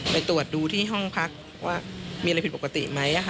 ไปตรวจดูที่ห้องพักว่ามีอะไรผิดปกติไหม